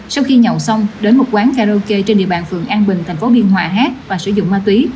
sau khi nhậu xong đến một quán karaoke trên địa bàn phường an bình tp biên hòa hát và sử dụng ma túy